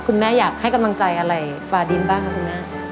คุณแม่อยากให้กำลังใจอะไรฟาดินบ้างครับคุณหน้า